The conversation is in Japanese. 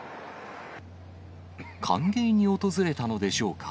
歓迎に訪れたのでしょうか。